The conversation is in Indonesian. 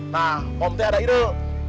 nah om teh ada idul